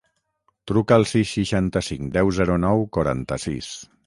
Truca al sis, seixanta-cinc, deu, zero, nou, quaranta-sis.